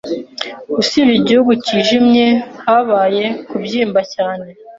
Usibye igihu cyijimye, habaye kubyimba cyane.